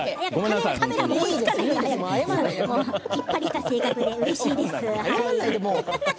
きっぱりした性格でうれしいです。